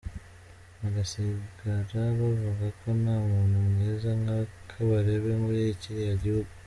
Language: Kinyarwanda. Bagasigara bavuga ko nta muntu mwiza nka Kabarebe muri kiriya gihugu.